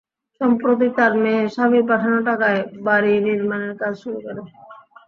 সম্প্রতি তাঁর মেয়ে স্বামীর পাঠানো টাকায় বাড়ি নির্মাণের কাজ শুরু করে।